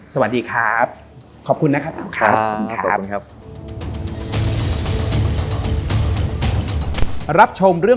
สวัสดีครับขอบคุณนะครับ